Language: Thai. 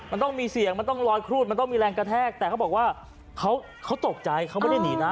มันต้องมีเสียงมันต้องลอยครูดมันต้องมีแรงกระแทกแต่เขาบอกว่าเขาตกใจเขาไม่ได้หนีนะ